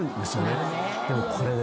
でもこれね